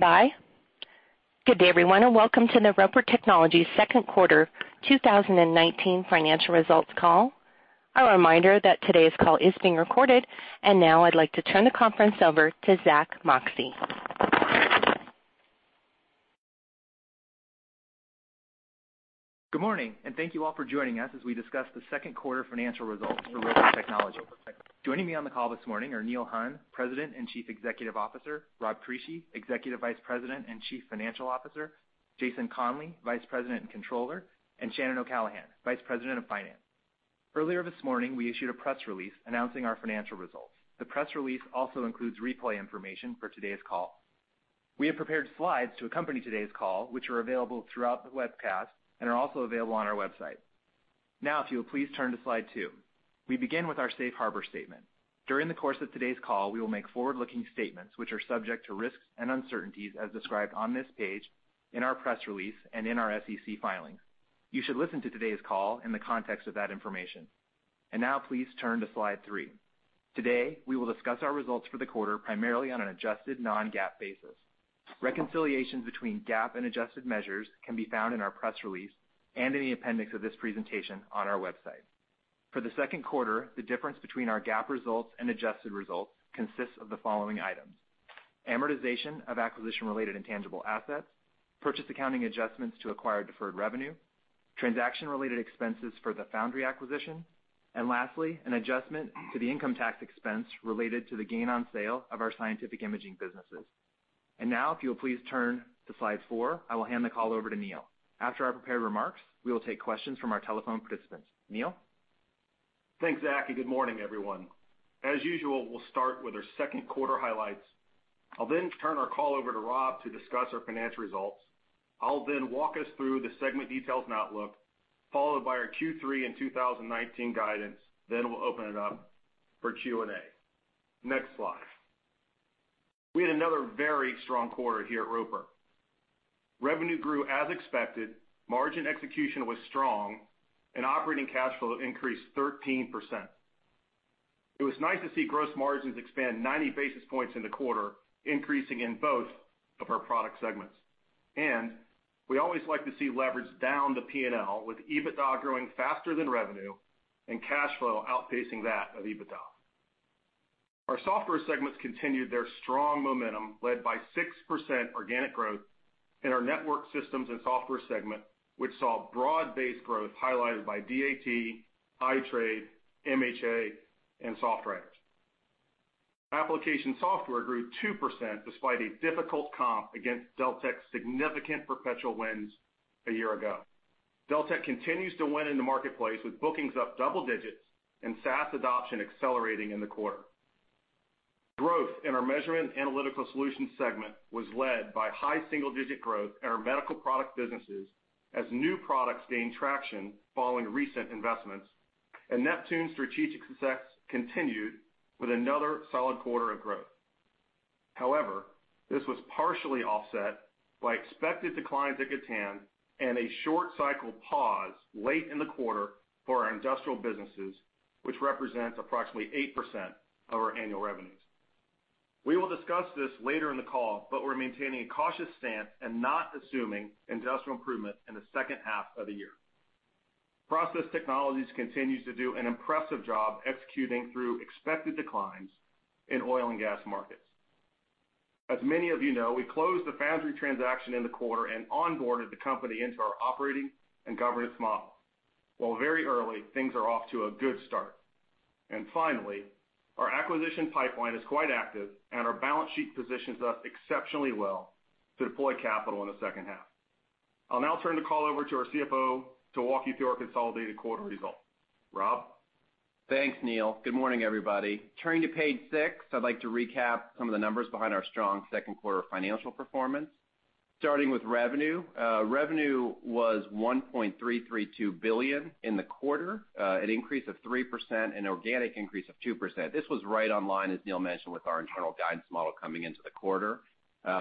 Bye. Good day everyone, and welcome to the Roper Technologies second quarter 2019 financial results call. A reminder that today's call is being recorded, and now I'd like to turn the conference over to Zack Moxcey. Good morning, and thank you all for joining us as we discuss the second quarter financial results for Roper Technologies. Joining me on the call this morning are Neil Hunn, President and Chief Executive Officer. Rob Crisci, Executive Vice President and Chief Financial Officer. Jason Conley, Vice President and Controller. Shannon O'Callaghan, Vice President of Finance. Earlier this morning, we issued a press release announcing our financial results. The press release also includes replay information for today's call. We have prepared slides to accompany today's call, which are available throughout the webcast and are also available on our website. If you would please turn to slide two. We begin with our safe harbor statement. During the course of today's call, we will make forward-looking statements, which are subject to risks and uncertainties as described on this page, in our press release, and in our SEC filings. You should listen to today's call in the context of that information. Please turn to slide three. Today, we will discuss our results for the quarter, primarily on an adjusted non-GAAP basis. Reconciliations between GAAP and adjusted measures can be found in our press release and in the appendix of this presentation on our website. For the second quarter, the difference between our GAAP results and adjusted results consists of the following items: amortization of acquisition-related intangible assets, purchase accounting adjustments to acquire deferred revenue, transaction-related expenses for the Foundry acquisition, and lastly, an adjustment to the income tax expense related to the gain on sale of our scientific imaging businesses. If you would please turn to slide four, I will hand the call over to Neil. After our prepared remarks, we will take questions from our telephone participants. Neil? Thanks, Zack, good morning, everyone. As usual, we'll start with our second quarter highlights. I'll then turn our call over to Rob to discuss our financial results. I'll then walk us through the segment details and outlook, followed by our Q3 and 2019 guidance. We'll open it up for Q&A. Next slide. We had another very strong quarter here at Roper. Revenue grew as expected, margin execution was strong, and operating cash flow increased 13%. It was nice to see gross margins expand 90 basis points in the quarter, increasing in both of our product segments. We always like to see leverage down to P&L, with EBITDA growing faster than revenue and cash flow outpacing that of EBITDA. Our software segments continued their strong momentum, led by 6% organic growth in our network systems and software segment, which saw broad-based growth highlighted by DAT, iTradeNetwork, MHA, and SoftWriters. Application software grew 2% despite a difficult comp against Deltek's significant perpetual wins a year ago. Deltek continues to win in the marketplace, with bookings up double digits and SaaS adoption accelerating in the quarter. Growth in our Measurement & Analytical Solutions segment was led by high single-digit growth in our medical product businesses as new products gained traction following recent investments, and Neptune's strategic success continued with another solid quarter of growth. This was partially offset by expected declines at Gatan and a short cycle pause late in the quarter for our industrial businesses, which represents approximately 8% of our annual revenues. We will discuss this later in the call, but we're maintaining a cautious stance and not assuming industrial improvement in the second half of the year. Process technologies continues to do an impressive job executing through expected declines in oil and gas markets. As many of you know, we closed the Foundry transaction in the quarter and onboarded the company into our operating and governance model. While very early things are off to a good start. Finally, our acquisition pipeline is quite active, and our balance sheet positions us exceptionally well to deploy capital in the second half. I'll now turn the call over to our CFO to walk you through our consolidated quarter results. Rob? Thanks, Neil. Good morning, everybody. Turning to page six, I'd like to recap some of the numbers behind our strong second quarter financial performance. Starting with revenue. Revenue was $1.332 billion in the quarter, an increase of 3% and organic increase of 2%. This was right online, as Neil mentioned, with our internal guidance model coming into the quarter.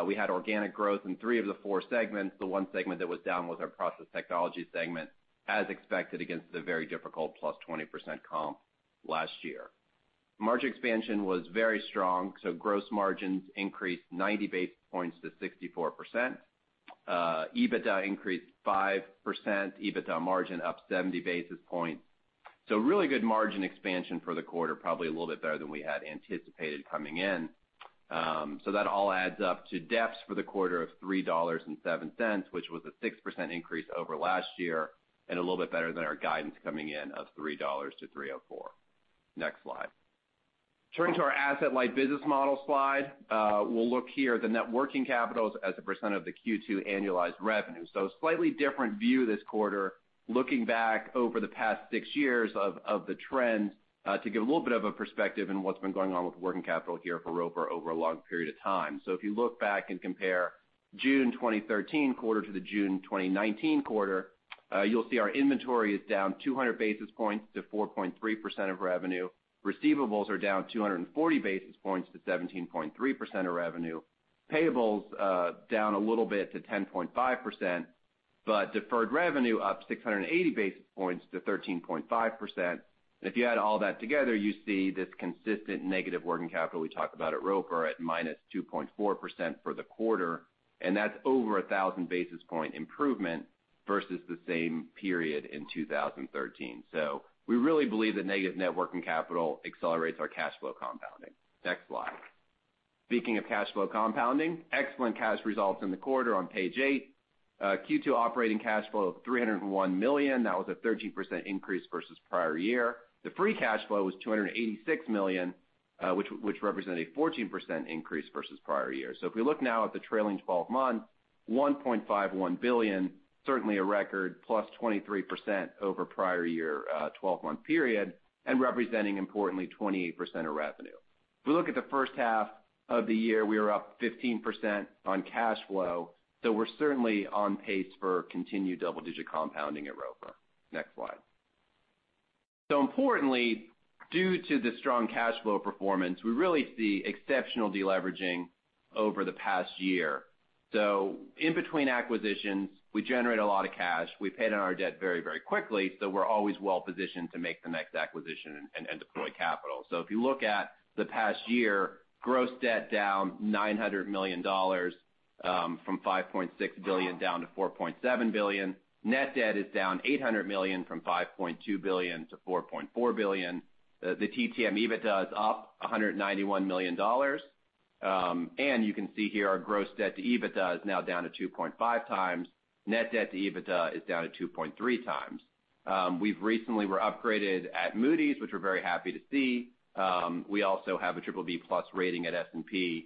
We had organic growth in three of the four segments. The one segment that was down was our process technology segment, as expected, against the very difficult +20% comp last year. Margin expansion was very strong. Gross margins increased 90 basis points to 64%. EBITDA increased 5%, EBITDA margin up 70 basis points. Really good margin expansion for the quarter, probably a little bit better than we had anticipated coming in. That all adds up to DEPS for the quarter of $3.70, which was a 6% increase over last year and a little bit better than our guidance coming in of $3.00-$3.04. Next slide. Turning to our asset-light business model slide. We'll look here at the net working capital as a % of the Q2 annualized revenue. Slightly different view this quarter, looking back over the past six years of the trends to give a little bit of a perspective on what's been going on with working capital here for Roper Technologies over a long period of time. If you look back and compare June 2013 quarter to the June 2019 quarter, you'll see our inventory is down 200 basis points to 4.3% of revenue. Receivables are down 240 basis points to 17.3% of revenue. Payables down a little bit to 10.5%. Deferred revenue up 680 basis points to 13.5%. If you add all that together, you see this consistent negative working capital we talked about at Roper at minus 2.4% for the quarter, and that's over 1,000 basis point improvement versus the same period in 2013. Next slide. Speaking of cash flow compounding, excellent cash results in the quarter on page eight. Q2 operating cash flow of $301 million. That was a 13% increase versus prior year. The free cash flow was $286 million, which represented a 14% increase versus prior year. If we look now at the trailing 12 months, $1.51 billion, certainly a record, plus 23% over prior year 12-month period and representing importantly 28% of revenue. If we look at the first half of the year, we are up 15% on cash flow, we're certainly on pace for continued double-digit compounding at Roper. Next slide. Importantly, due to the strong cash flow performance, we really see exceptional deleveraging over the past year. In between acquisitions, we generate a lot of cash. We paid down our debt very quickly, we're always well-positioned to make the next acquisition and deploy capital. If you look at the past year, gross debt down $900 million, from $5.6 billion down to $4.7 billion. Net debt is down $800 million from $5.2 billion to $4.4 billion. The TTM EBITDA is up $191 million. You can see here our gross debt to EBITDA is now down to 2.5 times. Net debt to EBITDA is down to 2.3 times. We've recently were upgraded at Moody's, which we're very happy to see. We also have a BBB+ rating at S&P.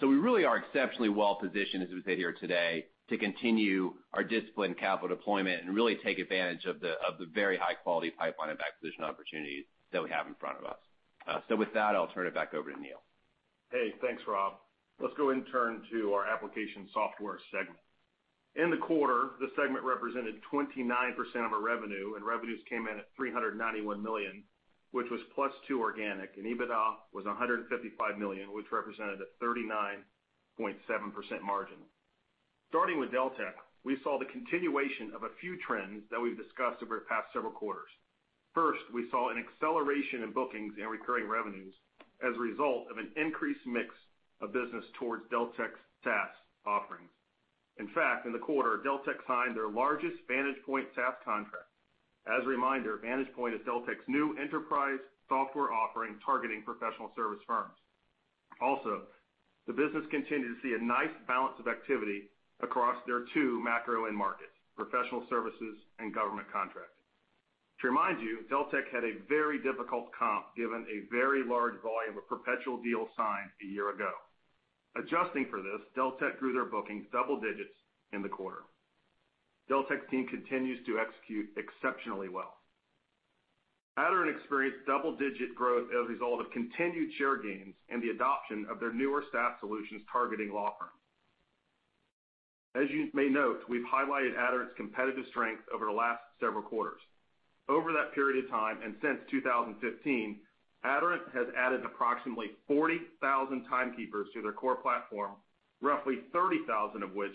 We really are exceptionally well positioned, as we sit here today, to continue our disciplined capital deployment and really take advantage of the very high-quality pipeline of acquisition opportunities that we have in front of us. With that, I'll turn it back over to Neil. Hey, thanks, Rob. Let's go and turn to our Application Software segment. In the quarter, the segment represented 29% of our revenue, and revenues came in at $391 million, which was plus two organic. EBITDA was $155 million, which represented a 39.7% margin. Starting with Deltek, we saw the continuation of a few trends that we've discussed over the past several quarters. First, we saw an acceleration in bookings and recurring revenues as a result of an increased mix of business towards Deltek's SaaS offerings. In fact, in the quarter, Deltek signed their largest Vantagepoint SaaS contract. As a reminder, Vantagepoint is Deltek's new enterprise software offering targeting professional service firms. Also, the business continued to see a nice balance of activity across their two macro end markets, professional services and government contracting. To remind you, Deltek had a very difficult comp given a very large volume of perpetual deals signed a year ago. Adjusting for this, Deltek grew their bookings double digits in the quarter. Deltek's team continues to execute exceptionally well. Aderant experienced double-digit growth as a result of continued share gains and the adoption of their newer SaaS solutions targeting law firms. As you may note, we've highlighted Aderant's competitive strength over the last several quarters. Over that period of time, and since 2015, Aderant has added approximately 40,000 timekeepers to their core platform, roughly 30,000 of which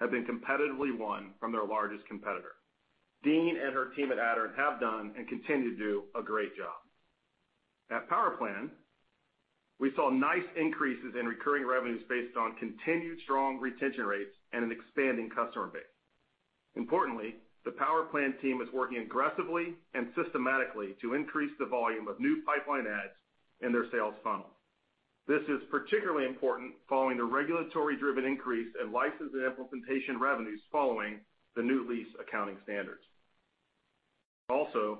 have been competitively won from their largest competitor. Deane and her team at Aderant have done and continue to do a great job. At PowerPlan, we saw nice increases in recurring revenues based on continued strong retention rates and an expanding customer base. Importantly, the PowerPlan team is working aggressively and systematically to increase the volume of new pipeline adds in their sales funnel. This is particularly important following the regulatory-driven increase in license and implementation revenues following the new lease accounting standards.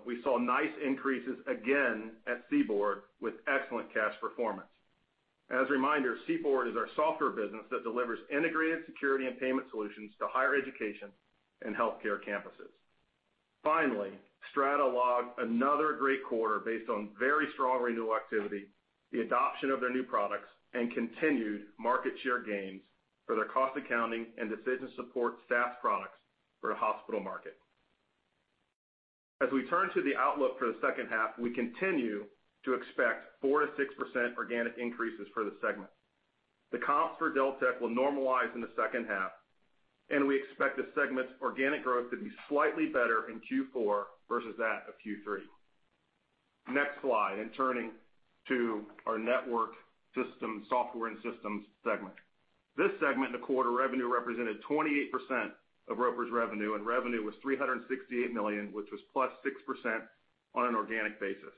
We saw nice increases again at CBORD with excellent cash performance. As a reminder, CBORD is our software business that delivers integrated security and payment solutions to higher education and healthcare campuses. Finally, Strata logged another great quarter based on very strong renewal activity, the adoption of their new products, and continued market share gains for their cost accounting and decision support SaaS products for the hospital market. As we turn to the outlook for the second half, we continue to expect 4%-6% organic increases for the segment. The comps for Deltek will normalize in the second half, we expect the segment's organic growth to be slightly better in Q4 versus that of Q3. Next slide, turning to our Network Software and Systems segment. This segment in the quarter revenue represented 28% of Roper's revenue was $368 million, which was +6% on an organic basis.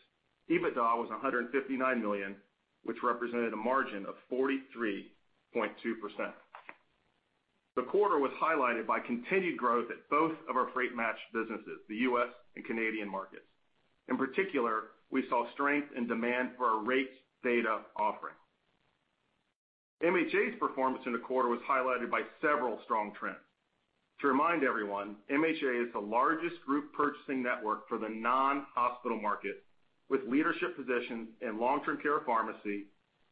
EBITDA was $159 million, which represented a margin of 43.2%. The quarter was highlighted by continued growth at both of our Freight Match businesses, the U.S. and Canadian markets. In particular, we saw strength in demand for our rate data offering. MHA's performance in the quarter was highlighted by several strong trends. To remind everyone, MHA is the largest group purchasing network for the non-hospital market, with leadership positions in long-term care pharmacy,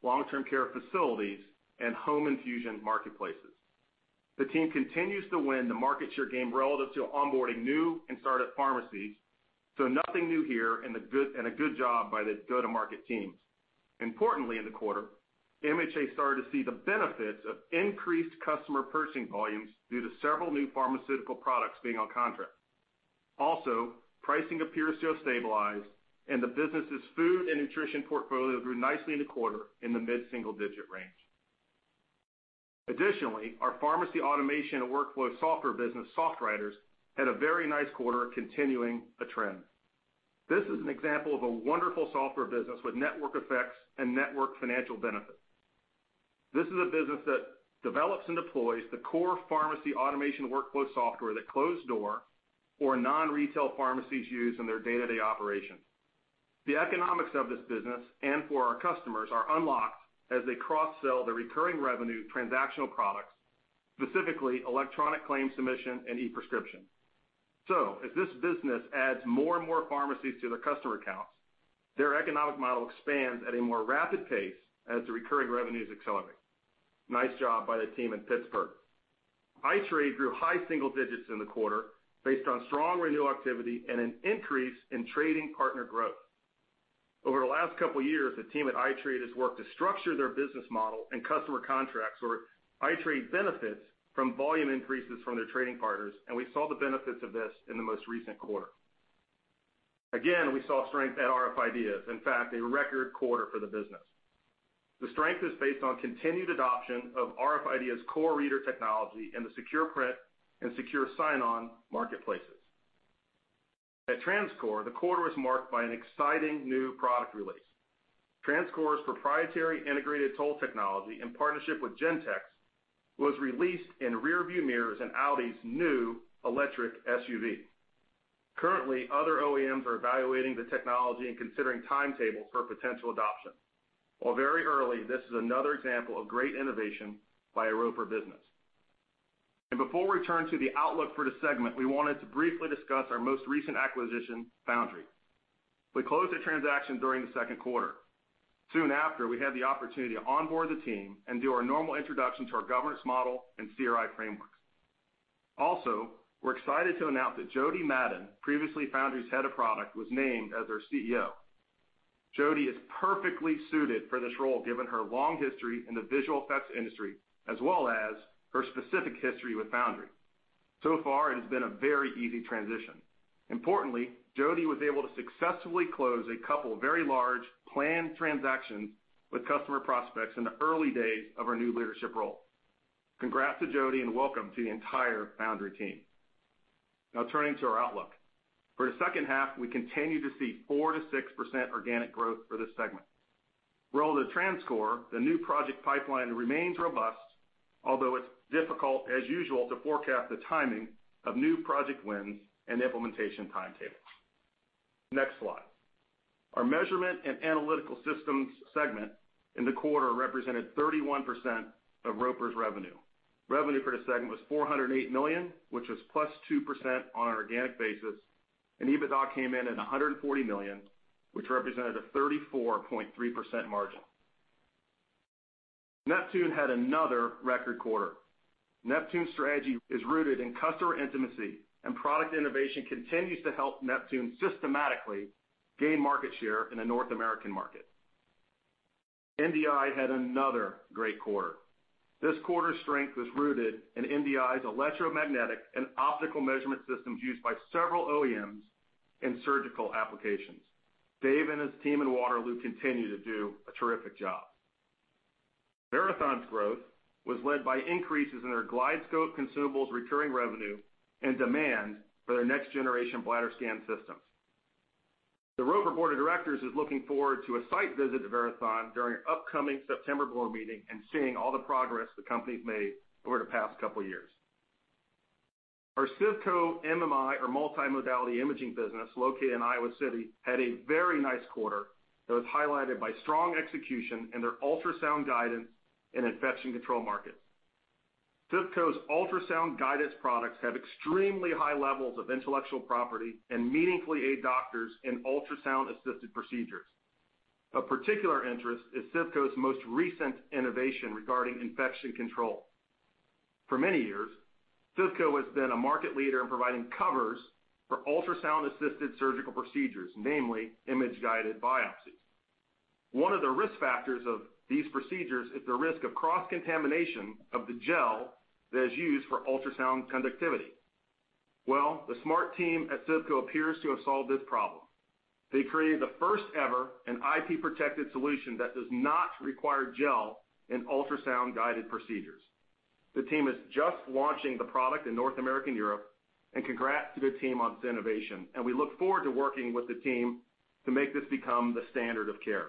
long-term care facilities, and home infusion marketplaces. The team continues to win the market share game relative to onboarding new and startup pharmacies, so nothing new here, and a good job by the go-to-market teams. Importantly in the quarter, MHA started to see the benefits of increased customer purchasing volumes due to several new pharmaceutical products being on contract. Also, pricing appears to have stabilized, and the business' food and nutrition portfolio grew nicely in the quarter in the mid-single-digit range. Additionally, our pharmacy automation and workflow software business, SoftWriters, had a very nice quarter continuing a trend. This is an example of a wonderful software business with network effects and network financial benefits. This is a business that develops and deploys the core pharmacy automation workflow software that closed door or non-retail pharmacies use in their day-to-day operations. The economics of this business and for our customers are unlocked as they cross-sell the recurring revenue transactional products, specifically electronic claims submission and e-prescription. As this business adds more and more pharmacies to their customer accounts, their economic model expands at a more rapid pace as the recurring revenues accelerate. Nice job by the team in Pittsburgh. iTrade grew high single digits in the quarter based on strong renewal activity and an increase in trading partner growth. Over the last couple of years, the team at iTrade has worked to structure their business model and customer contracts where iTrade benefits from volume increases from their trading partners, and we saw the benefits of this in the most recent quarter. Again, we saw strength at rf IDEAS. In fact, a record quarter for the business. The strength is based on continued adoption of rf IDEAS core reader technology and the secure print and secure sign-on marketplaces. At TransCore, the quarter was marked by an exciting new product release. TransCore's proprietary integrated toll technology in partnership with Gentex was released in rear view mirrors in Audi's new electric SUV. Currently, other OEMs are evaluating the technology and considering timetables for potential adoption. While very early, this is another example of great innovation by a Roper business. Before we turn to the outlook for the segment, we wanted to briefly discuss our most recent acquisition, Foundry. We closed the transaction during the second quarter. Soon after, we had the opportunity to onboard the team and do our normal introduction to our governance model and CRI frameworks. Also, we're excited to announce that Jody Madden, previously Foundry's head of product, was named as their CEO. Jody is perfectly suited for this role given her long history in the visual effects industry, as well as her specific history with Foundry. So far, it has been a very easy transition. Importantly, Jody was able to successfully close a couple of very large planned transactions with customer prospects in the early days of her new leadership role. Congrats to Jody, and welcome to the entire Foundry team. Now turning to our outlook. For the second half, we continue to see 4%-6% organic growth for this segment. For all of TransCore, the new project pipeline remains robust, although it's difficult as usual to forecast the timing of new project wins and implementation timetables. Next slide. Our measurement and analytical systems segment in the quarter represented 31% of Roper's revenue. Revenue for the segment was $408 million, which was +2% on an organic basis. EBITDA came in at $140 million, which represented a 34.3% margin. Neptune had another record quarter. Neptune's strategy is rooted in customer intimacy. Product innovation continues to help Neptune systematically gain market share in the North American market. NDI had another great quarter. This quarter's strength was rooted in NDI's electromagnetic and optical measurement systems used by several OEMs in surgical applications. Dave and his team in Waterloo continue to do a terrific job. Verathon's growth was led by increases in their GlideScope consumables recurring revenue and demand for their next-generation bladder scan systems. The Roper board of directors is looking forward to a site visit to Verathon during an upcoming September board meeting and seeing all the progress the company's made over the past couple of years. Our CIVCO MMI or Multi-Modality Imaging business located in Iowa City, had a very nice quarter that was highlighted by strong execution in their ultrasound guidance and infection control markets. CIVCO's ultrasound guidance products have extremely high levels of intellectual property and meaningfully aid doctors in ultrasound-assisted procedures. Of particular interest is CIVCO's most recent innovation regarding infection control. For many years, CIVCO has been a market leader in providing covers for ultrasound-assisted surgical procedures, namely image-guided biopsies. one of the risk factors of these procedures is the risk of cross-contamination of the gel that is used for ultrasound conductivity. Well, the smart team at CIVCO appears to have solved this problem. They created the first ever and IP-protected solution that does not require gel in ultrasound-guided procedures. The team is just launching the product in North America and Europe. Congrats to the team on this innovation. We look forward to working with the team to make this become the standard of care.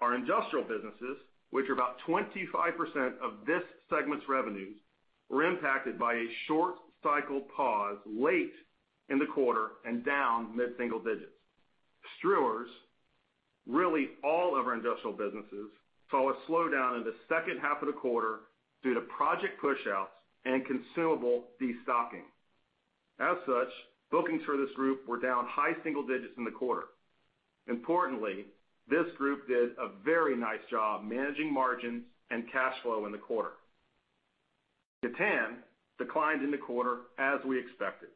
Our industrial businesses, which are about 25% of this segment's revenues, were impacted by a short cycle pause late in the quarter and down mid-single digits. Struers, really all of our industrial businesses, saw a slowdown in the second half of the quarter due to project pushouts and consumable destocking. As such, bookings for this group were down high single digits in the quarter. Importantly, this group did a very nice job managing margins and cash flow in the quarter. Gatan declined in the quarter as we expected.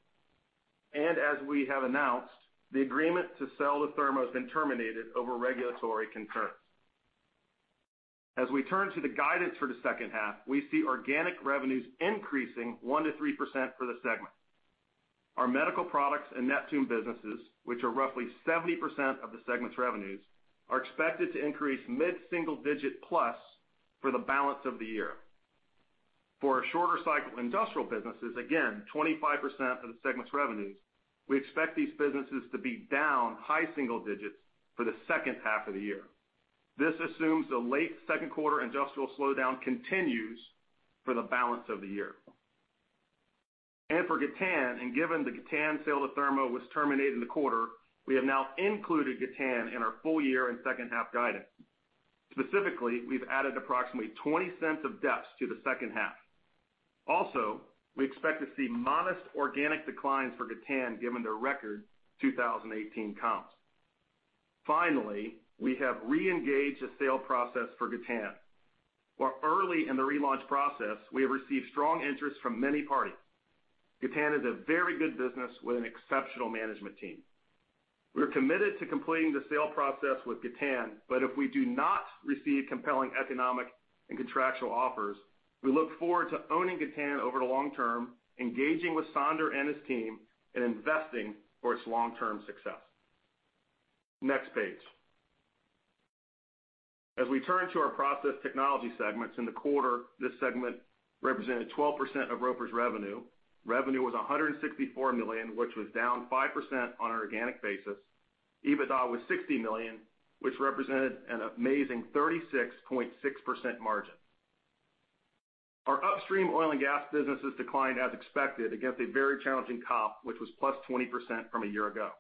As we have announced, the agreement to sell to Thermo has been terminated over regulatory concerns. As we turn to the guidance for the second half, we see organic revenues increasing 1%-3% for the segment. Our medical products and Neptune businesses, which are roughly 70% of the segment's revenues, are expected to increase mid-single digit plus for the balance of the year. For our shorter cycle industrial businesses, again, 25% of the segment's revenues, we expect these businesses to be down high single digits for the second half of the year. This assumes the late second quarter industrial slowdown continues for the balance of the year. For Gatan, and given the Gatan sale to Thermo was terminated in the quarter, we have now included Gatan in our full year and second half guidance. Specifically, we've added approximately $0.20 of DEPS to the second half. We expect to see modest organic declines for Gatan given their record 2018 comps. We have reengaged the sale process for Gatan. While early in the relaunch process, we have received strong interest from many parties. Gatan is a very good business with an exceptional management team. We are committed to completing the sale process with Gatan, but if we do not receive compelling economic and contractual offers, we look forward to owning Gatan over the long term, engaging with Sander and his team, and investing for its long-term success. Next page. As we turn to our process technology segments in the quarter, this segment represented 12% of Roper's revenue. Revenue was $164 million, which was down 5% on an organic basis. EBITDA was $60 million, which represented an amazing 36.6% margin. Our upstream oil and gas businesses declined as expected against a very challenging comp, which was plus 20% from a year ago.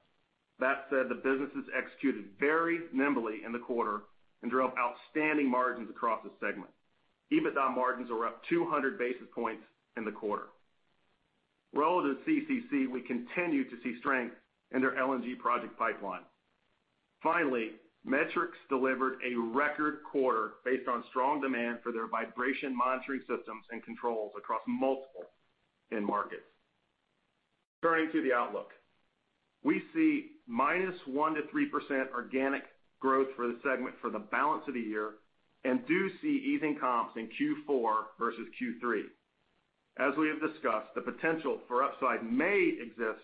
That said, the businesses executed very nimbly in the quarter and drove outstanding margins across the segment. EBITDA margins were up 200 basis points in the quarter. Relative to CCC, we continue to see strength in their LNG project pipeline. Finally, Metrix delivered a record quarter based on strong demand for their vibration monitoring systems and controls across multiple end markets. Turning to the outlook. We see -1% to 3% organic growth for the segment for the balance of the year and do see easing comps in Q4 versus Q3. As we have discussed, the potential for upside may exist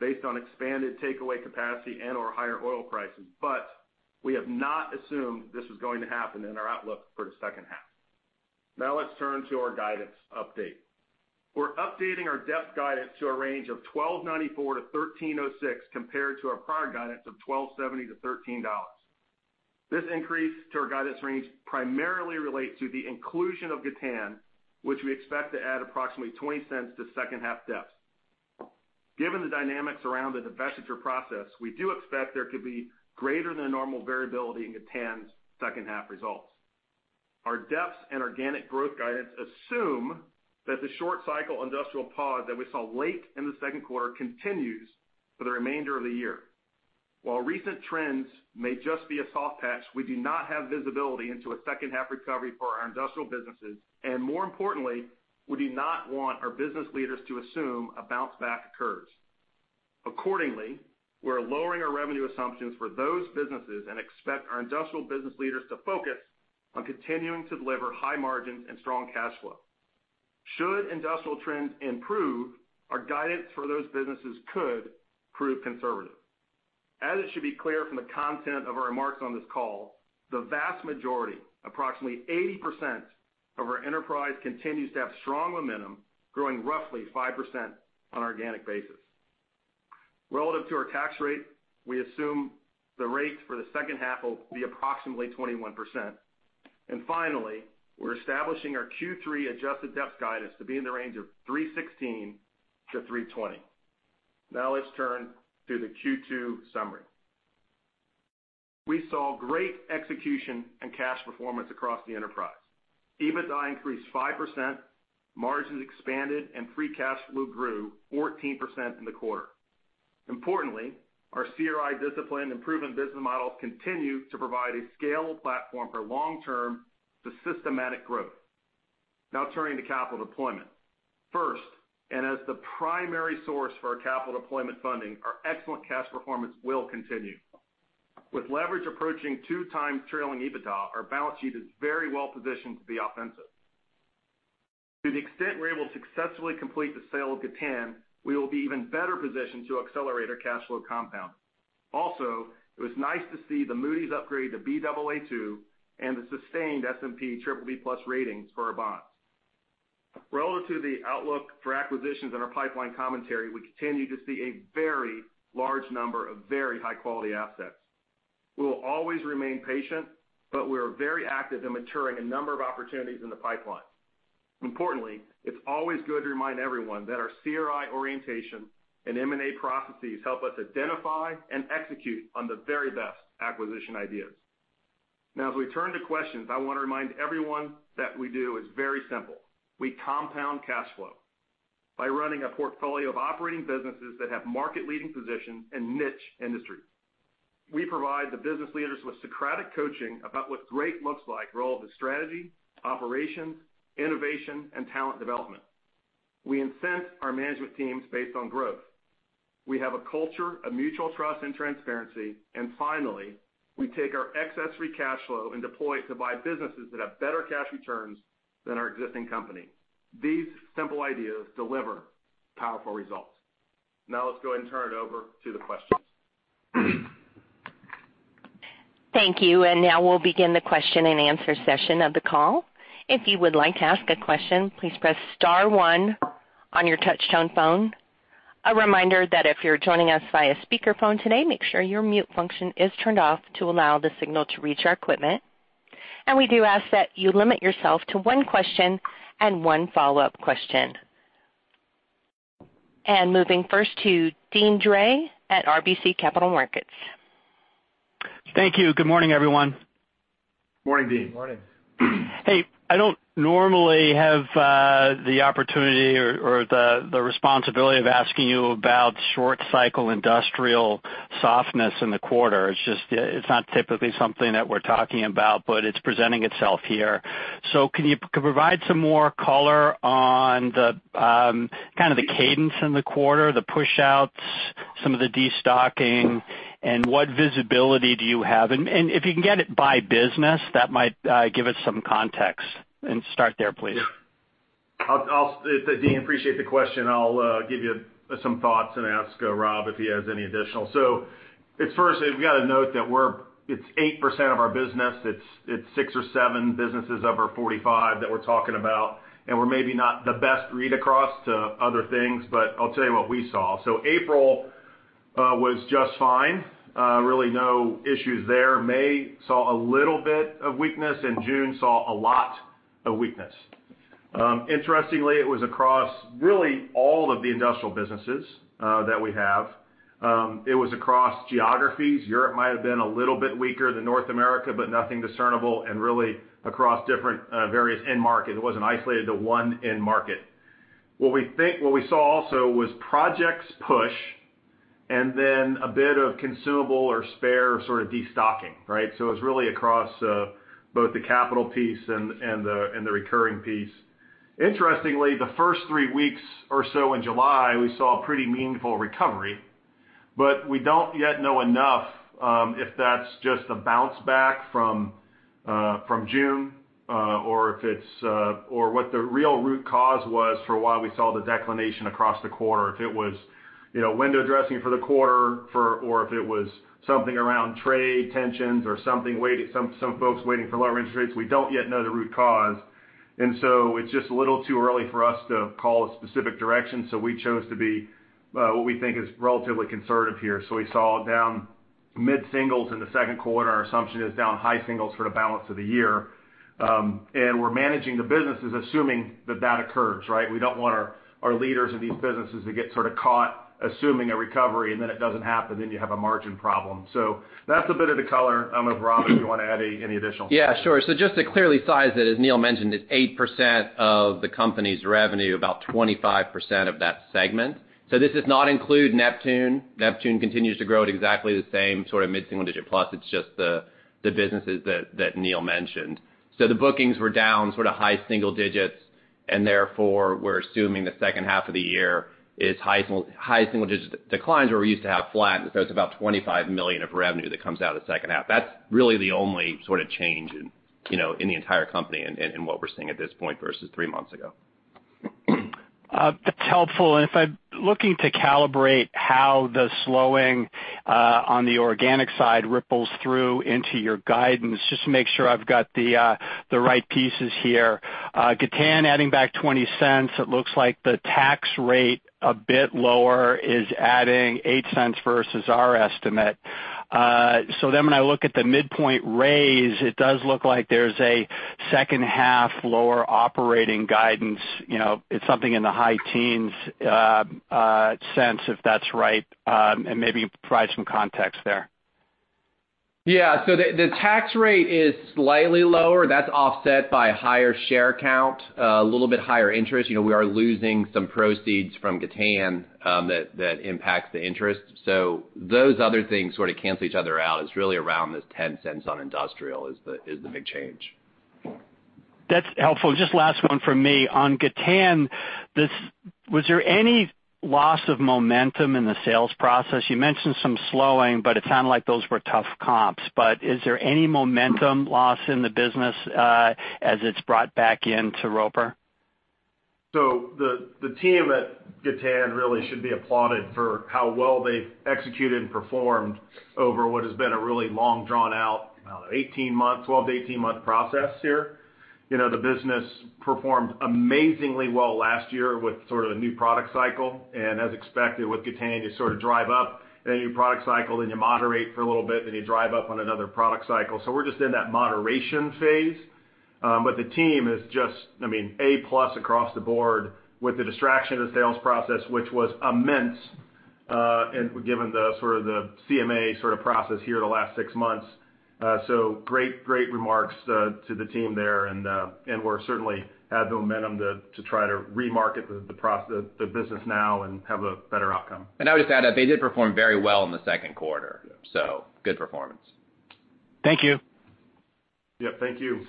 based on expanded takeaway capacity and/or higher oil prices, but we have not assumed this is going to happen in our outlook for the second half. Let's turn to our guidance update. We're updating our DEPS guidance to a range of $12.94-$13.06, compared to our prior guidance of $12.70-$13. This increase to our guidance range primarily relates to the inclusion of Gatan, which we expect to add approximately $0.20 to second half DEPS. Given the dynamics around the divestiture process, we do expect there could be greater than normal variability in Gatan's second half results. Our DEPS and organic growth guidance assume that the short cycle industrial pause that we saw late in the second quarter continues for the remainder of the year. While recent trends may just be a soft patch, we do not have visibility into a second half recovery for our industrial businesses. More importantly, we do not want our business leaders to assume a bounce back occurs. Accordingly, we're lowering our revenue assumptions for those businesses and expect our industrial business leaders to focus on continuing to deliver high margins and strong cash flow. Should industrial trends improve, our guidance for those businesses could prove conservative. As it should be clear from the content of our remarks on this call, the vast majority, approximately 80%, of our enterprise continues to have strong momentum, growing roughly 5% on an organic basis. Relative to our tax rate, we assume the rate for the second half will be approximately 21%. Finally, we're establishing our Q3 adjusted DEPS guidance to be in the range of $3.16-$3.20. Let's turn to the Q2 summary. We saw great execution and cash performance across the enterprise. EBITDA increased 5%, margins expanded, and free cash flow grew 14% in the quarter. Importantly, our CRI discipline and proven business models continue to provide a scalable platform for long-term, systematic growth. Turning to capital deployment. First, as the primary source for our capital deployment funding, our excellent cash performance will continue. With leverage approaching 2x trailing EBITDA, our balance sheet is very well positioned to be offensive. To the extent we're able to successfully complete the sale of Gatan, we will be even better positioned to accelerate our cash flow compound. It was nice to see the Moody's upgrade to Baa2 and the sustained S&P BBB+ ratings for our bonds. Relative to the outlook for acquisitions in our pipeline commentary, we continue to see a very large number of very high-quality assets. We will always remain patient, we are very active in maturing a number of opportunities in the pipeline. Importantly, it's always good to remind everyone that our CRI orientation and M&A processes help us identify and execute on the very best acquisition ideas. As we turn to questions, I want to remind everyone that what we do is very simple. We compound cash flow by running a portfolio of operating businesses that have market-leading position and niche industries. We provide the business leaders with Socratic coaching about what great looks like for all of the strategy, operations, innovation, and talent development. We incent our management teams based on growth. We have a culture of mutual trust and transparency. Finally, we take our excess free cash flow and deploy it to buy businesses that have better cash returns than our existing company. These simple ideas deliver powerful results. Let's go ahead and turn it over to the questions. Thank you. Now we'll begin the question and answer session of the call. If you would like to ask a question, please press *1 on your touch-tone phone. A reminder that if you're joining us via speakerphone today, make sure your mute function is turned off to allow the signal to reach our equipment. We do ask that you limit yourself to one question and one follow-up question. Moving first to Deane Dray at RBC Capital Markets. Thank you. Good morning, everyone. Morning, Deane. Morning. Hey, I don't normally have the opportunity or the responsibility of asking you about short cycle industrial softness in the quarter. It's not typically something that we're talking about, but it's presenting itself here. Can you provide some more color on the kind of the cadence in the quarter, the push-outs, some of the destocking, and what visibility do you have? If you can get it by business, that might give us some context. Start there, please. Deane, appreciate the question. I'll give you some thoughts and ask Rob if he has any additional. At first, we've got to note that it's 8% of our business. It's six or seven businesses of our 45 that we're talking about, and we're maybe not the best read-across to other things, but I'll tell you what we saw. April was just fine. Really no issues there. May saw a little bit of weakness, and June saw a lot of weakness. Interestingly, it was across really all of the industrial businesses that we have. It was across geographies. Europe might have been a little bit weaker than North America, but nothing discernible and really across different various end markets. It wasn't isolated to one end market. What we saw also was projects push and then a bit of consumable or spare sort of destocking, right? It was really across both the capital piece and the recurring piece. Interestingly, the first three weeks or so in July, we saw a pretty meaningful recovery, but we don't yet know enough if that's just a bounce back from June, or what the real root cause was for why we saw the declination across the quarter. If it was window dressing for the quarter, or if it was something around trade tensions or some folks waiting for lower interest rates. We don't yet know the root cause. It's just a little too early for us to call a specific direction. We chose to be what we think is relatively conservative here. We saw it down mid-singles in the second quarter. Our assumption is down high singles for the balance of the year. We're managing the businesses assuming that that occurs, right? We don't want our leaders in these businesses to get sort of caught assuming a recovery, and then it doesn't happen, then you have a margin problem. That's a bit of the color. I don't know if, Rob, if you want to add any additional. Just to clearly size it, as Neil mentioned, it's 8% of the company's revenue, about 25% of that segment. This does not include Neptune. Neptune continues to grow at exactly the same sort of mid-single digit plus. It's just the businesses that Neil mentioned. The bookings were down sort of high single digits, and therefore, we're assuming the second half of the year is high single digit declines where we used to have flat. It's about $25 million of revenue that comes out of the second half. That's really the only sort of change in the entire company in what we're seeing at this point versus three months ago. That's helpful. If I'm looking to calibrate how the slowing on the organic side ripples through into your guidance, just to make sure I've got the right pieces here. Gatan adding back $0.20, it looks like the tax rate a bit lower is adding $0.08 versus our estimate. When I look at the midpoint raise, it does look like there's a second half lower operating guidance. It's something in the high teens sense, if that's right. Maybe provide some context there. Yeah. The tax rate is slightly lower. That's offset by a higher share count, a little bit higher interest. We are losing some proceeds from Gatan that impacts the interest. Those other things sort of cancel each other out. It's really around this $0.10 on industrial is the big change. That's helpful. Just last one from me. On Gatan, was there any loss of momentum in the sales process? You mentioned some slowing, but it sounded like those were tough comps. Is there any momentum loss in the business as it's brought back into Roper? The team at Gatan really should be applauded for how well they've executed and performed over what has been a really long drawn out, I don't know, 12 to 18-month process here. The business performed amazingly well last year with sort of the new product cycle. As expected with Gatan, you sort of drive up a new product cycle, then you moderate for a little bit, then you drive up on another product cycle. We're just in that moderation phase. The team is just A+ across the board with the distraction of the sales process, which was immense given the sort of the CMA sort of process here the last six months. Great remarks to the team there, and we certainly have momentum to try to remarket the business now and have a better outcome. I would just add that they did perform very well in the second quarter. Yeah. Good performance. Thank you. Yeah, thank you.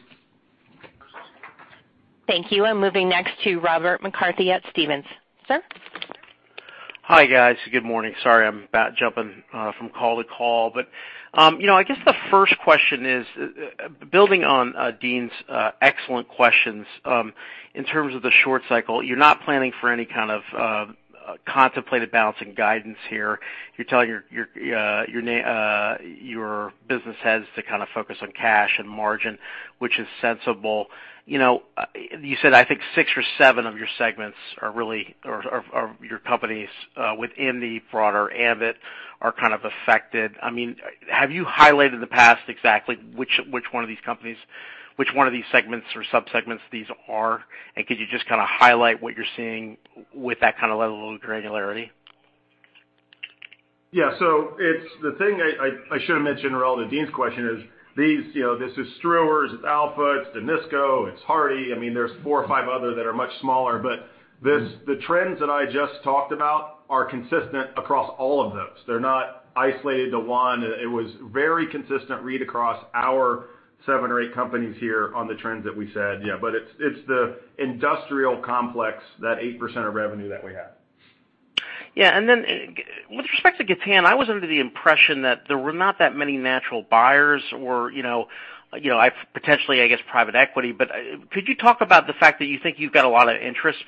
Thank you. I'm moving next to Robert McCarthy at Stephens. Sir? Hi, guys. Good morning. Sorry, I'm bat jumping from call to call. I guess the first question is, building on Deane's excellent questions, in terms of the short cycle, you're not planning for any kind of contemplated balancing guidance here. You're telling your business has to kind of focus on cash and margin, which is sensible. You said, I think six or seven of your segments or your companies within the broader ambit are kind of affected. Have you highlighted in the past exactly which one of these companies, which one of these segments or sub-segments these are? Could you just kind of highlight what you're seeing with that kind of level of granularity? The thing I should have mentioned relevant to Deane's question is this is Struers, it's Alpha, it's Dynisco, it's Hardy. There's four or five other that are much smaller, but the trends that I just talked about are consistent across all of those. They're not isolated to one. It was very consistent read across our seven or eight companies here on the trends that we said. It's the industrial complex, that 8% of revenue that we have. Yeah. With respect to Gatan, I was under the impression that there were not that many natural buyers or potentially, I guess, private equity. Could you talk about the fact that you think you've got a lot of interest?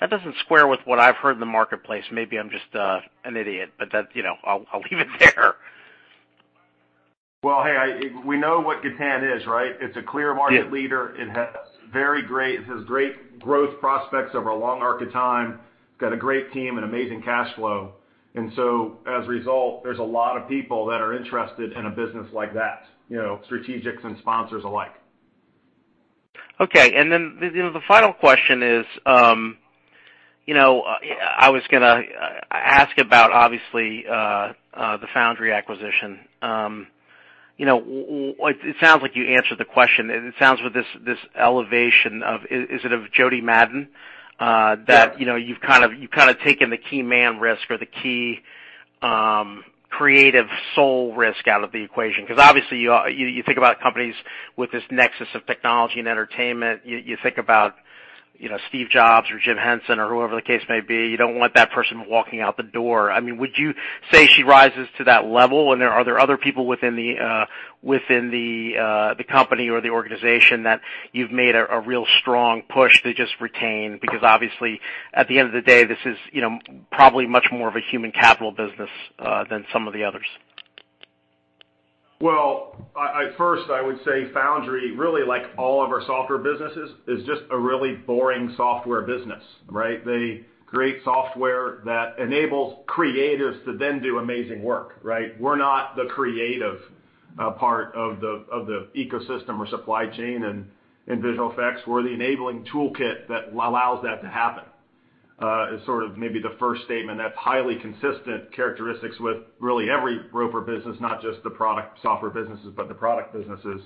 That doesn't square with what I've heard in the marketplace. Maybe I'm just an idiot. I'll leave it there. Well, hey, we know what Gatan is, right? It's a clear market leader. Yeah. It has great growth prospects over a long arc of time, got a great team, and amazing cash flow. As a result, there's a lot of people that are interested in a business like that, strategics and sponsors alike. Okay, the final question is, I was going to ask about, obviously, the Foundry acquisition. It sounds like you answered the question, and it sounds with this elevation of, is it of Jody Madden? Yeah. That you've kind of taken the key man risk or the key creative soul risk out of the equation. Obviously, you think about companies with this nexus of technology and entertainment, you think about Steve Jobs or Jim Henson or whoever the case may be. You don't want that person walking out the door. Would you say she rises to that level? Are there other people within the company or the organization that you've made a real strong push to just retain? Obviously, at the end of the day, this is probably much more of a human capital business than some of the others. Well, first I would say Foundry, really like all of our software businesses, is just a really boring software business, right? They create software that enables creatives to then do amazing work, right? We're not the creative part of the ecosystem or supply chain in visual effects. We're the enabling toolkit that allows that to happen. Is sort of maybe the first statement that's highly consistent characteristics with really every Roper business, not just the product software businesses, but the product businesses.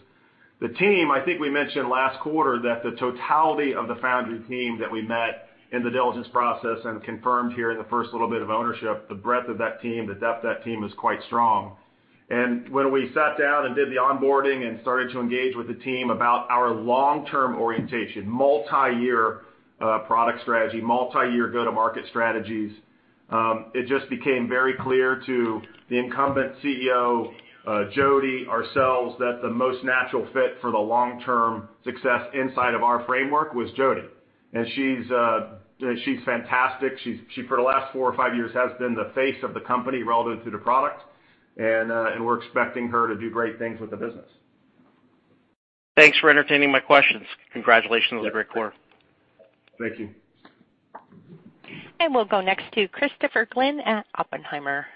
The team, I think we mentioned last quarter that the totality of the Foundry team that we met in the diligence process and confirmed here in the first little bit of ownership, the breadth of that team, the DEPS of that team is quite strong. When we sat down and did the onboarding and started to engage with the team about our long-term orientation, multi-year product strategy, multi-year go-to-market strategies, it just became very clear to the incumbent CEO, Jody, ourselves, that the most natural fit for the long-term success inside of our framework was Jody. She's fantastic. She, for the last four or five years, has been the face of the company relative to the product. We're expecting her to do great things with the business. Thanks for entertaining my questions. Congratulations on the great quarter. Thank you. We'll go next to Christopher Glynn at Oppenheimer.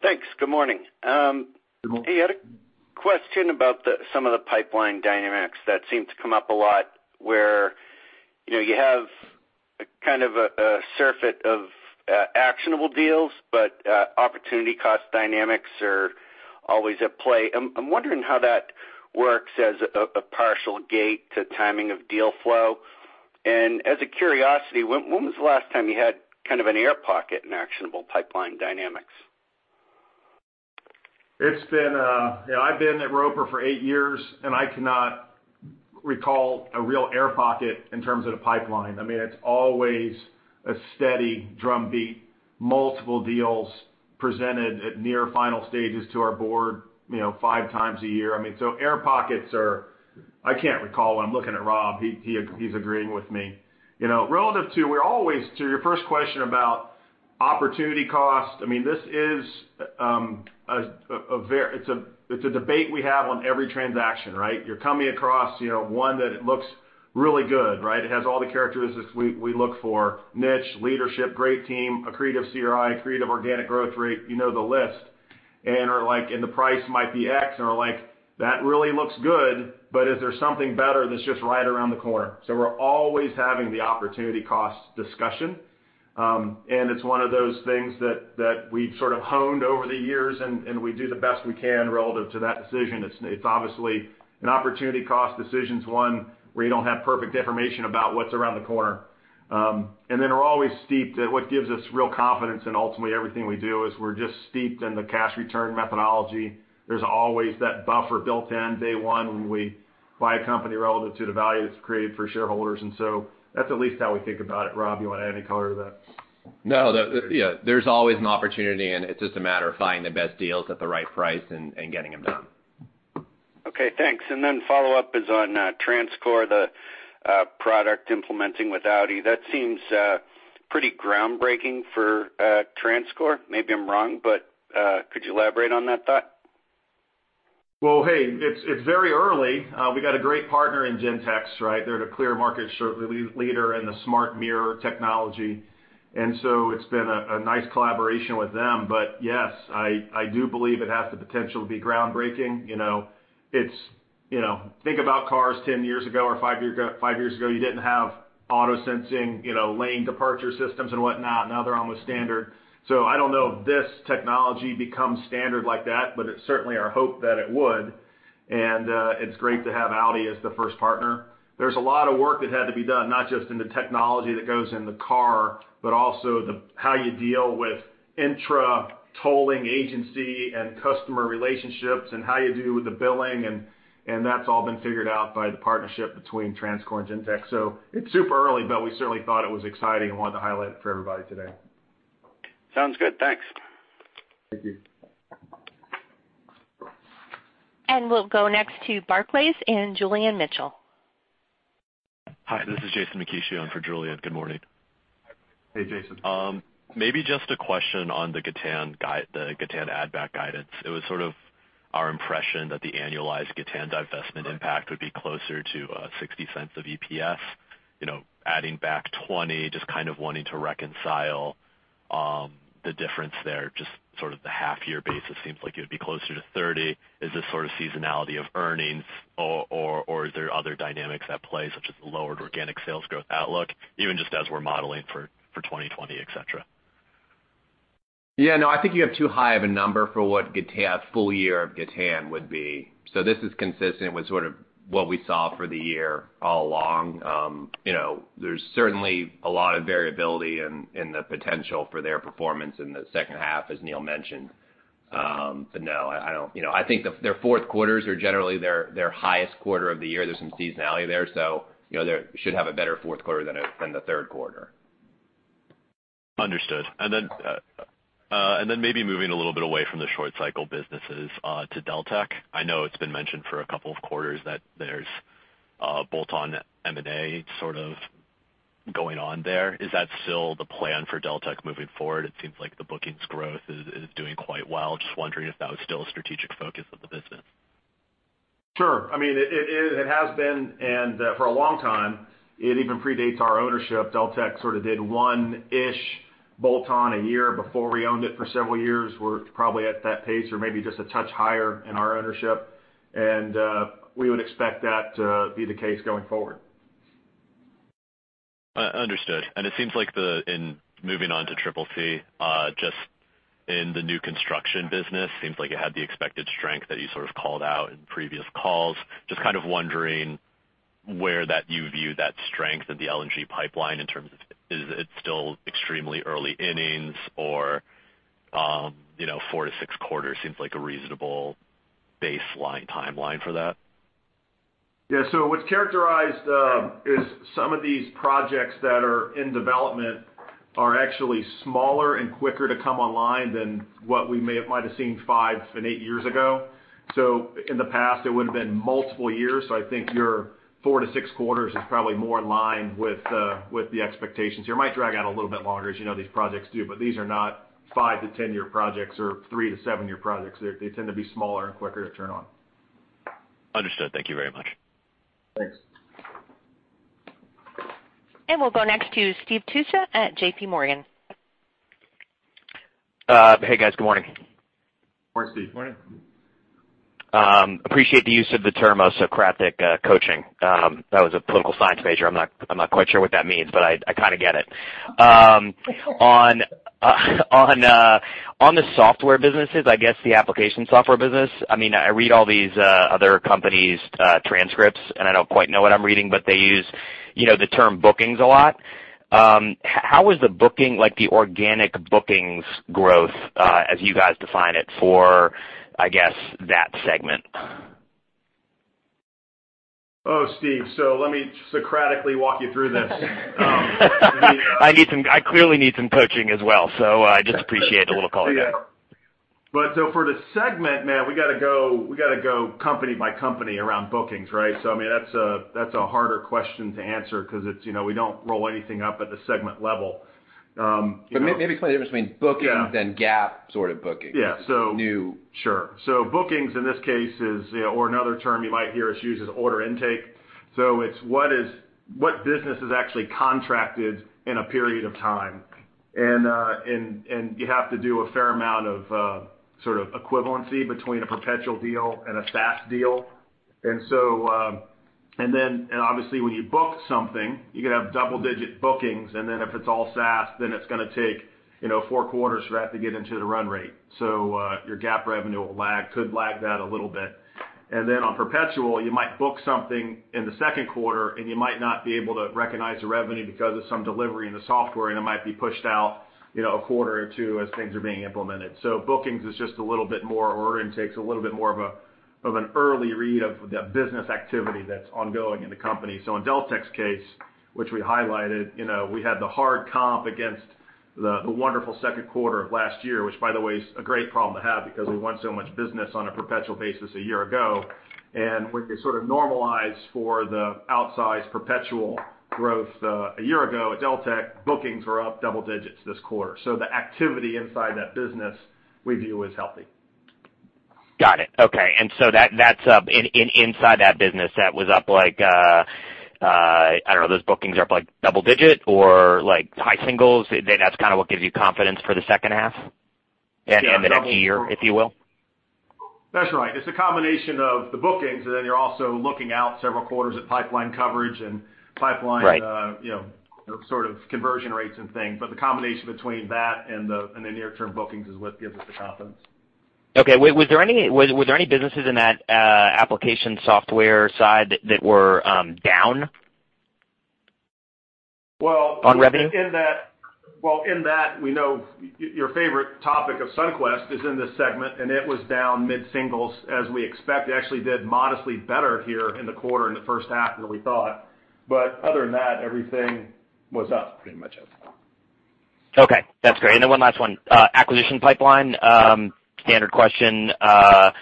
Thanks. Good morning. Good morning. Hey, I had a question about some of the pipeline dynamics that seem to come up a lot where you have kind of a surfeit of actionable deals, but opportunity cost dynamics are always at play. I'm wondering how that works as a partial gate to timing of deal flow. As a curiosity, when was the last time you had kind of an air pocket in actionable pipeline dynamics? I've been at Roper for eight years, and I cannot recall a real air pocket in terms of the pipeline. It's always a steady drumbeat, multiple deals presented at near final stages to our board five times a year. Air pockets are I can't recall. I'm looking at Rob, he's agreeing with me. Relative to, we're always, to your first question about opportunity cost, it's a debate we have on every transaction, right? You're coming across one that looks really good, right? It has all the characteristics we look for: niche, leadership, great team, accretive CRI, accretive organic growth rate, you know the list. Are like, and the price might be X, and we're like: that really looks good, but is there something better that's just right around the corner? We're always having the opportunity cost discussion. It's one of those things that we've sort of honed over the years, and we do the best we can relative to that decision. It's obviously an opportunity cost decisions one, where you don't have perfect information about what's around the corner. We're always steeped at what gives us real confidence in, ultimately, everything we do is we're just steeped in the cash return methodology. There's always that buffer built in day one when we buy a company relative to the value it's created for shareholders. That's at least how we think about it. Rob, you want to add any color to that? No. There's always an opportunity, and it's just a matter of finding the best deals at the right price and getting them done. Okay, thanks. Follow-up is on TransCore, the product implementing with Audi. That seems pretty groundbreaking for TransCore. Maybe I'm wrong, but could you elaborate on that thought? Hey, it's very early. We got a great partner in Gentex. They're the clear market share leader in the smart mirror technology, and so it's been a nice collaboration with them. Yes, I do believe it has the potential to be groundbreaking. Think about cars 10 years ago or five years ago, you didn't have auto-sensing, lane departure systems and whatnot. Now they're almost standard. I don't know if this technology becomes standard like that, but it's certainly our hope that it would. It's great to have Audi as the first partner. There's a lot of work that had to be done, not just in the technology that goes in the car, but also how you deal with intra-tolling agency and customer relationships and how you deal with the billing, and that's all been figured out by the partnership between TransCore and Gentex. It's super early, but we certainly thought it was exciting and wanted to highlight it for everybody today. Sounds good. Thanks. Thank you. We'll go next to Barclays and Julian Mitchell. Hi, this is Jason Makishi for Julian. Good morning. Hey, Jason. Maybe just a question on the Gatan add-back guidance. It was sort of our impression that the annualized Gatan divestment impact would be closer to $0.60 of EPS, adding back $0.20, just kind of wanting to reconcile the difference there, just sort of the half year basis seems like it would be closer to $0.30. Is this sort of seasonality of earnings or is there other dynamics at play, such as the lowered organic sales growth outlook, even just as we're modeling for 2020, et cetera? Yeah, no, I think you have too high of a number for what a full year of Gatan would be. This is consistent with sort of what we saw for the year all along. There's certainly a lot of variability in the potential for their performance in the second half, as Neil mentioned. No, I think their fourth quarters are generally their highest quarter of the year. There's some seasonality there, they should have a better fourth quarter than the third quarter. Understood. Maybe moving a little bit away from the short cycle businesses to Deltek. I know it's been mentioned for a couple of quarters that there's bolt-on M&A sort of going on there. Is that still the plan for Deltek moving forward? It seems like the bookings growth is doing quite well. Just wondering if that was still a strategic focus of the business. Sure. It has been, and for a long time, it even predates our ownership. Deltek sort of did one-ish bolt-on a year before we owned it for several years. We're probably at that pace or maybe just a touch higher in our ownership. We would expect that to be the case going forward. Understood. It seems like in moving on to CCC, just in the new construction business, seems like it had the expected strength that you sort of called out in previous calls. Just kind of wondering where that you view that strength of the LNG pipeline in terms of, is it still extremely early innings or 4-6 quarters seems like a reasonable baseline timeline for that? What's characterized is some of these projects that are in development are actually smaller and quicker to come online than what we might have seen five and eight years ago. In the past, it would've been multiple years. I think your four to six quarters is probably more in line with the expectations here. Might drag out a little bit longer, as you know, these projects do, but these are not 5-10-year projects or 3-7-year projects. They tend to be smaller and quicker to turn on. Understood. Thank you very much. Thanks. We'll go next to Steve Tusa at J.P. Morgan. Hey, guys. Good morning. Morning, Steve. Morning. Appreciate the use of the term Socratic coaching. I was a political science major. I'm not quite sure what that means, but I kind of get it. On the software businesses, I guess the application software business, I read all these other companies' transcripts, and I don't quite know what I'm reading, but they use the term bookings a lot. How is the booking, like the organic bookings growth, as you guys define it for, I guess, that segment? Oh, Steve, let me Socratically walk you through this. I clearly need some coaching as well, so I just appreciate the little call. For the segment, man, we got to go company by company around bookings, right? That's a harder question to answer because we don't roll anything up at the segment level. Maybe explain the difference between bookings and GAAP sort of bookings. Yeah. New. Sure. Bookings in this case is, or another term you might hear us use is order intake. It's what business is actually contracted in a period of time. You have to do a fair amount of sort of equivalency between a perpetual deal and a SaaS deal. Obviously when you book something, you could have double-digit bookings, and then if it's all SaaS, then it's going to take four quarters for that to get into the run rate. Your GAAP revenue could lag that a little bit. On perpetual, you might book something in the second quarter, and you might not be able to recognize the revenue because of some delivery in the software, and it might be pushed out a quarter or two as things are being implemented. Bookings is just a little bit more, or order intake's a little bit more of an early read of the business activity that's ongoing in the company. In Deltek's case, which we highlighted, we had the hard comp against the wonderful second quarter of last year, which by the way, is a great problem to have because we won so much business on a perpetual basis a year ago. When you sort of normalize for the outsized perpetual growth, a year ago at Deltek, bookings were up double digits this quarter. The activity inside that business we view as healthy. Got it. Okay. Inside that business, that was up like, I don't know, those bookings are up like double digit or high singles? That's kind of what gives you confidence for the second half? Yeah The next year, if you will? That's right. It's a combination of the bookings, and then you're also looking out several quarters at pipeline coverage and pipeline. Right sort of conversion rates and things. The combination between that and the near-term bookings is what gives us the confidence. Okay. Was there any businesses in that application software side that were down? Well- On revenue. In that we know your favorite topic of Sunquest is in this segment, and it was down mid-singles, as we expect. It actually did modestly better here in the quarter, in the first half than we thought. Other than that, everything was up pretty much. Okay, that's great. One last one. Acquisition pipeline. Yep standard question. Are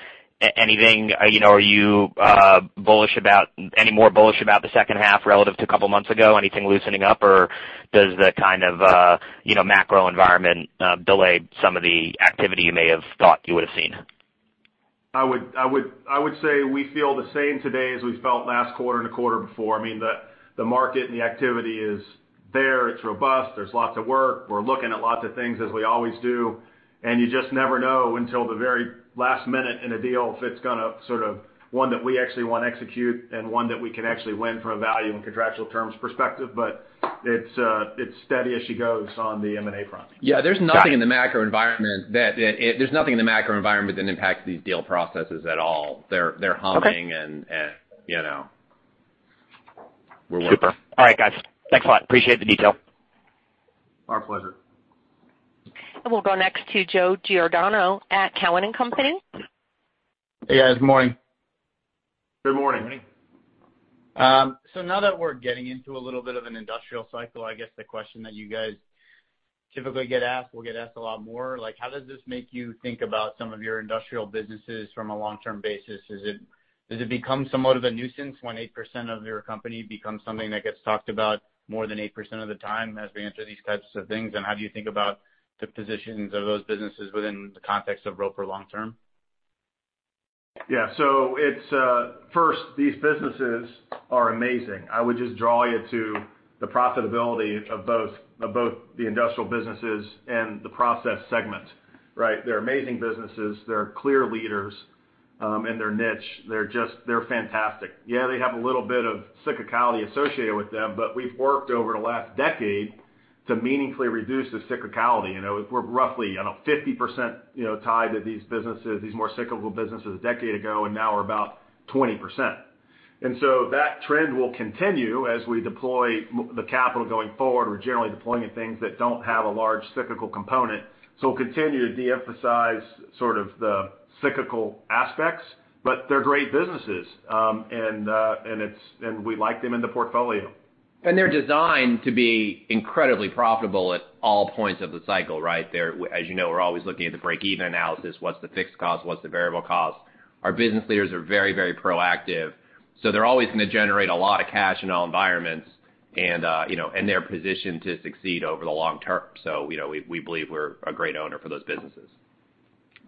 you any more bullish about the second half relative to a couple of months ago? Anything loosening up? Does the kind of macro environment delay some of the activity you may have thought you would've seen? I would say we feel the same today as we felt last quarter and the quarter before. I mean, the market and the activity is there, it's robust. There's lots of work. We're looking at lots of things as we always do, and you just never know until the very last minute in a deal if it's one that we actually want to execute and one that we can actually win from a value and contractual terms perspective. It's steady as she goes on the M&A front. Yeah, there's nothing in the macro environment that impacts these deal processes at all. They're humming and we're working. Super. All right, guys. Thanks a lot. Appreciate the detail. Our pleasure. We'll go next to Joe Giordano at Cowen and Company. Hey, guys. Morning. Good morning. Morning. Now that we're getting into a little bit of an industrial cycle, I guess the question that you guys typically get asked, will get asked a lot more, how does this make you think about some of your industrial businesses from a long-term basis? Does it become somewhat of a nuisance when 8% of your company becomes something that gets talked about more than 8% of the time as we enter these types of things? How do you think about the positions of those businesses within the context of Roper long term? Yeah. First, these businesses are amazing. I would just draw you to the profitability of both the industrial businesses and the process segment, right? They're amazing businesses. They're clear leaders in their niche. They're fantastic. Yeah, they have a little bit of cyclicality associated with them, but we've worked over the last decade to meaningfully reduce the cyclicality. We're roughly at a 50% tied to these businesses, these more cyclical businesses a decade ago, and now we're about 20%. That trend will continue as we deploy the capital going forward. We're generally deploying it things that don't have a large cyclical component. We'll continue to de-emphasize sort of the cyclical aspects, but they're great businesses. We like them in the portfolio. They're designed to be incredibly profitable at all points of the cycle, right? As you know, we're always looking at the break even analysis. What's the fixed cost? What's the variable cost? Our business leaders are very proactive, they're always going to generate a lot of cash in all environments and they're positioned to succeed over the long term. We believe we're a great owner for those businesses.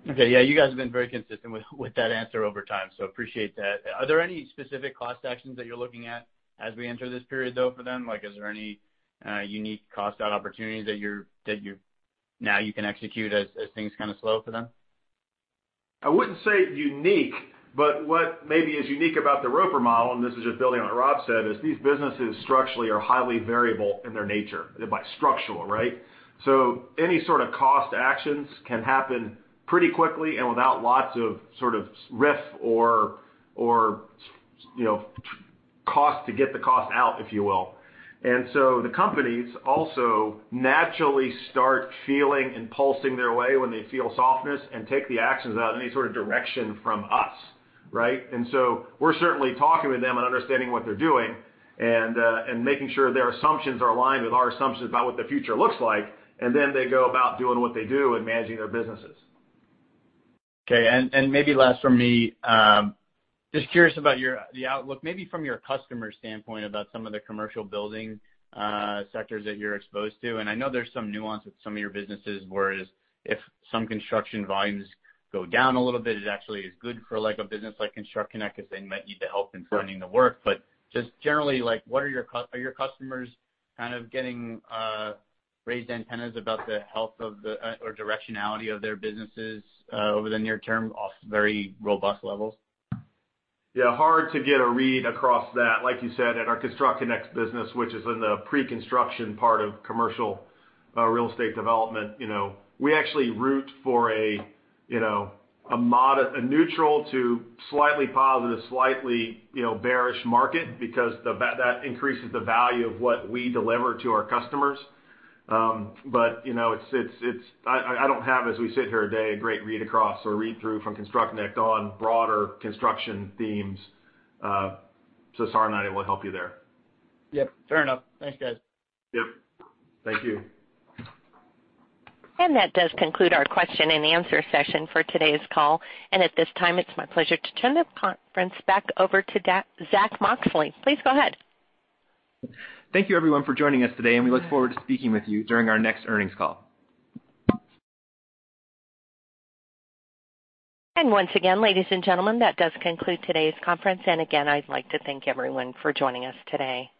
Okay. Yeah, you guys have been very consistent with that answer over time. Appreciate that. Are there any specific cost actions that you're looking at as we enter this period, though, for them? Is there any unique cost out opportunities that now you can execute as things kind of slow for them? I wouldn't say unique, but what maybe is unique about the Roper model, and this is just building on what Rob said, is these businesses structurally are highly variable in their nature, by structural, right? Any sort of cost actions can happen pretty quickly and without lots of sort of risk or cost to get the cost out, if you will. The companies also naturally start feeling and pulsing their way when they feel softness and take the actions without any sort of direction from us, right? We're certainly talking with them and understanding what they're doing and making sure their assumptions are aligned with our assumptions about what the future looks like. They go about doing what they do and managing their businesses. Okay. Maybe last from me, just curious about the outlook, maybe from your customer standpoint about some of the commercial building sectors that you're exposed to. I know there's some nuance with some of your businesses, whereas if some construction volumes go down a little bit, it actually is good for a business like ConstructConnect because they might need the help in finding the work. Just generally, are your customers kind of getting raised antennas about the health or directionality of their businesses over the near term off very robust levels? Yeah, hard to get a read across that. Like you said, at our ConstructConnect business, which is in the pre-construction part of commercial real estate development, we actually root for a neutral to slightly positive, slightly bearish market because that increases the value of what we deliver to our customers. I don't have, as we sit here today, a great read across or read through from ConstructConnect on broader construction themes. Sorry I'm not able to help you there. Yep, fair enough. Thanks, guys. Yep. Thank you. That does conclude our question and answer session for today's call. At this time, it is my pleasure to turn the conference back over to Zack Moxcey. Please go ahead. Thank you everyone for joining us today, and we look forward to speaking with you during our next earnings call. Once again, ladies and gentlemen, that does conclude today's conference, and again, I'd like to thank everyone for joining us today.